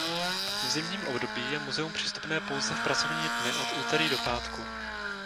V zimním období je muzeum přístupné pouze v pracovní dny od úterý do pátku.